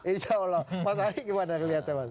insya allah mas adi gimana melihatnya mas